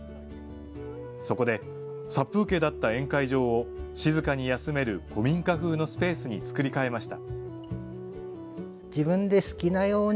そこで、殺風景だった宴会場を静かに休める古民家風のスペースに作り変えました。